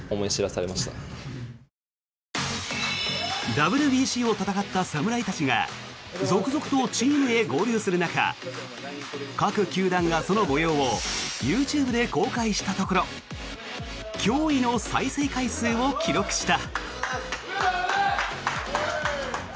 ＷＢＣを戦った侍たちが続々とチームへ合流する中各球団がその模様をＹｏｕＴｕｂｅで公開したところ驚異の再生回数を記録した。